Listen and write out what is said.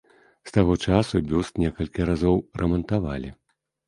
З таго часу бюст некалькі разоў рамантавалі.